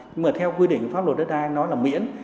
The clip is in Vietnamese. nhưng mà theo quy định pháp luật đất ai nói là miễn